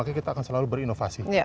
makanya kita akan selalu berinovasi